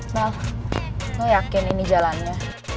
bal lo yakin ini jalannya